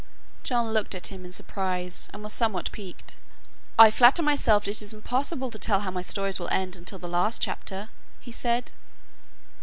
John looked at him in surprise and was somewhat piqued. "I flatter myself it is impossible to tell how my stories will end until the last chapter," he said.